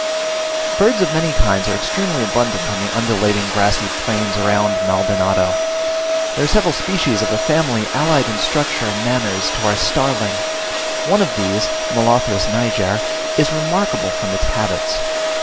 Birds of many kinds are extremely abundant on the undulating, grassy plains around Maldonado. There are several species of a family allied in structure and manners to our Starling: one of these (Molothrus niger) is remarkable from its habits.